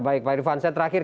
baik pak irvan saya terakhir